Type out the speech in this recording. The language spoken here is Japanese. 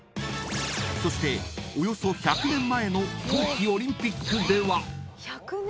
［そしておよそ１００年前の冬季オリンピックでは］